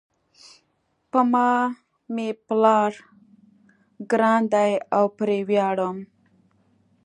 په ما مېپلار ګران ده او پری ویاړم